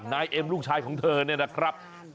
นายเอ็มลูกลูกชายของเธอนะครับ